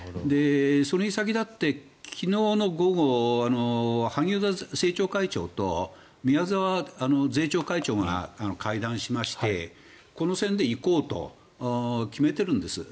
それに先立って昨日の午後萩生田政調会長と宮沢税調会長が会談しましてこの線で行こうと決めているんです。